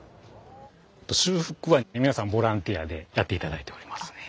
修復は皆さんボランティアでやって頂いておりますね。